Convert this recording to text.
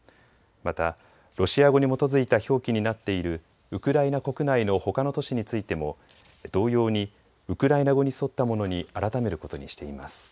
また、ロシア語に基づいた表記になっているウクライナ国内のほかの都市についても同様にウクライナ語に沿ったものに改めることにしています。